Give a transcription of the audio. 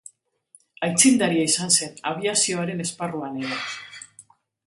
Aitzindaria izan zen abiazioaren esparruan ere.